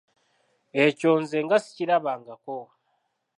Ekyo nze nga sikirabangako!